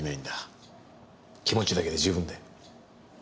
気持ちだけで十分だよ。